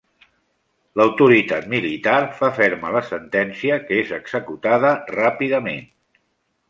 L'Autoritat Militar fa ferma la sentència que és executada ràpidament.